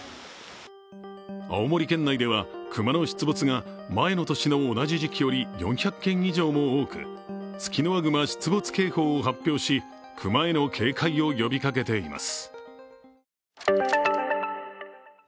青森県内では熊の出没が前の時期と同じ時期より４００件以上も多く、ツキノワグマ出没警報を発表し熊への警戒を呼びかけています。